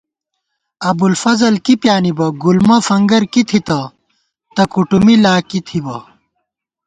ابُوالفضل کی پیانِبہ ،گُلمہ فنگر کی تھِتہ تہ کُوٹُومی لا کی تھِبہ